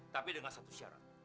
tapi dengan satu syarat